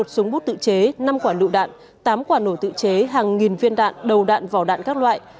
một súng bút tự chế năm quả lựu đạn tám quả nổ tự chế hàng nghìn viên đạn đầu đạn vỏ đạn các loại